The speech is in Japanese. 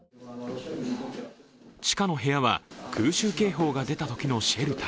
地下の部屋は空襲警報が出たときのシェルター。